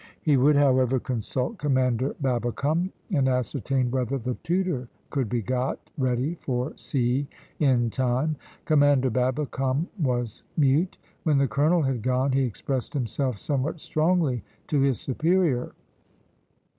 He would, however, consult Commander Babbicome and ascertain whether the Tudor could be got ready for sea in time. Commander Babbicome was mute. When the colonel had gone, he expressed himself somewhat strongly to his superior.